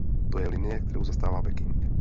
To je linie, kterou zastává Peking.